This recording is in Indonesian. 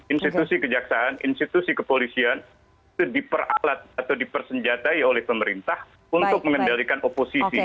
institusi kejaksaan institusi kepolisian itu diperalat atau dipersenjatai oleh pemerintah untuk mengendalikan oposisi